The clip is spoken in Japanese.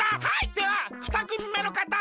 ではふたくみめのかたどうぞ！